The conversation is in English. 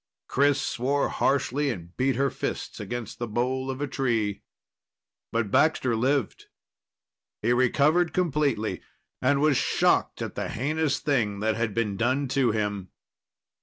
Chris swore harshly and beat her fists against the bole of a tree. But Baxter lived. He recovered completely, and was shocked at the heinous thing that had been done to him.